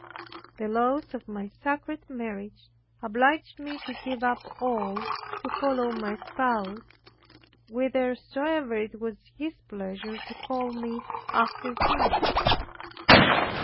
The laws of my sacred marriage obliged me to give up all, to follow my spouse whithersoever it was His pleasure to call me after Him.